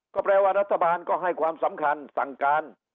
ก็แปลว่ารัฐบาลก็ให้ความสำคัญสั่งการ